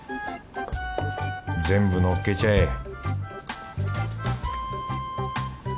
全部のっけちゃえ